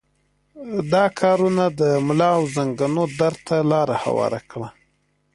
دا کارونه د ملا او زنګنونو درد ته لاره هواره کړه.